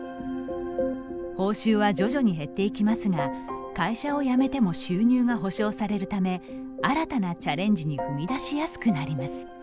報酬は徐々に減っていきますが会社を辞めても収入が保障されるため新たなチャレンジに踏み出しやすくなります。